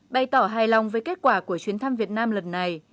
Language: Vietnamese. bày tỏ hài lòng với kết quả của chuyến thăm việt nam lần này